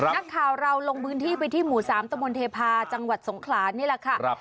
นักข่าวเราลงพื้นที่ไปที่หมู่๓ตมเทพาะจังหวัดสงขลานี่แหละค่ะ